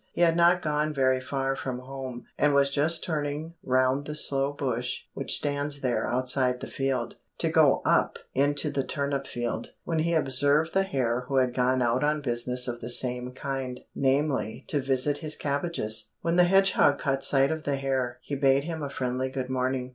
He had not gone very far from home, and was just turning round the sloe bush which stands there outside the field, to go up into the turnip field, when he observed the hare who had gone out on business of the same kind, namely, to visit his cabbages. When the hedgehog caught sight of the hare, he bade him a friendly good morning.